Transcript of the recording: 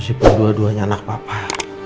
masih berdua duanya anak papa